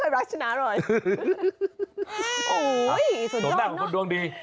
โอ้โหส่วนหน้าของคนดวงดี